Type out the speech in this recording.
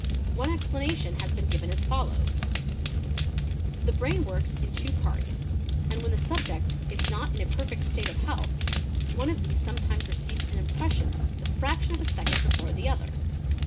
One anation has been given as follows:—the brain works in two parts I when the subject is not in a perfect state of health one of these netimes receives an impression the fraction of a second before the other.